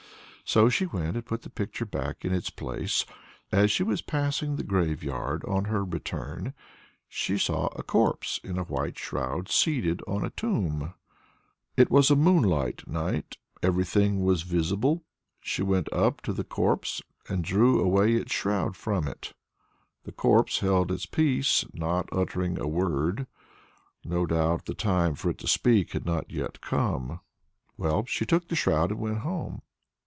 So she went and put the picture back in its place. As she was passing the graveyard on her return, she saw a corpse in a white shroud, seated on a tomb. It was a moonlight night; everything was visible. She went up to the corpse, and drew away its shroud from it. The corpse held its peace, not uttering a word; no doubt the time for it to speak had not come yet. Well, she took the shroud and went home.